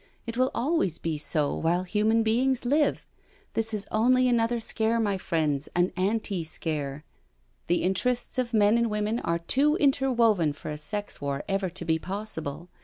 It will always be so while human beings live. This is only another scare, my friends — an Anti scare I The interests of men and women are too interwoven for a sex war ever to be possible.